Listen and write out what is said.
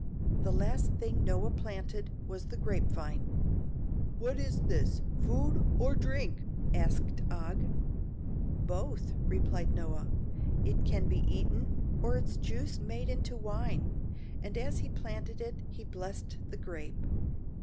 The last thing Noah planted was the grape vine. "What is this food, or drink?" asked Og. "Both," replied Noah. "It can be eaten, or its juice made into wine," and as he planted it, he blessed the grape.